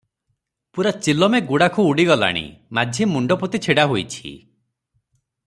ପୂରା ଚିଲମେ ଗୁଡାଖୁ ଉଡ଼ି ଗଲାଣି, ମାଝି ମୁଣ୍ଡ ପୋତି ଛିଡାହୋଇଛି ।